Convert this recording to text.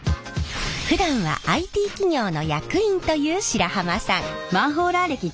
ふだんはＩＴ企業の役員という白浜さん。